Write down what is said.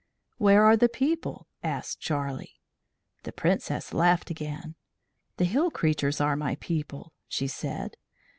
"Where are the people?" asked Charlie. The Princess laughed again. "The hill creatures are my people," she said.